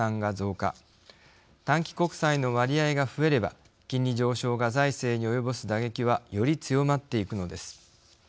短期国債の割合が増えれば金利上昇が財政に及ぼす打撃はより強まっていくのです。